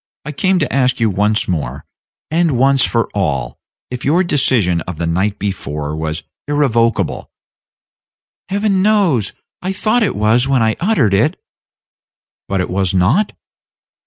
I came to ask you once more, and once for all, if your decision of the night before last was irrevocable?" "Heaven knows I thought it was when I uttered it." "But it was not?"